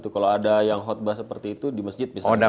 kalau ada yang khutbah seperti itu di masjid misalnya